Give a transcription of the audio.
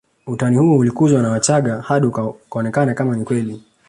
Utani huo ulikuzwa na wachaga hadi ukaonekana kama ni kweli